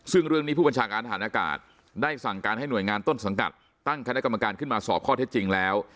ซึ่งเรื่องนี้ผู้บัญชาการฐานอากาศได้สั่งการให้หน่วยงานต้นสังกัดตั้งคณะกรรมการขึ้นมาสอบข้อเท็จจริงแล้ว